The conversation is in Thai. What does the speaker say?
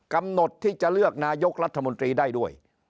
กำหนดที่จะเลือกนายกรัฐมนตรีได้ด้วย